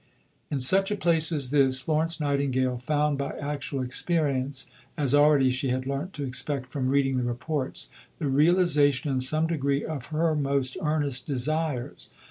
In such a place as this, Florence Nightingale found by actual experience, as already she had learnt to expect from reading the reports, the realization in some degree of her most earnest desires.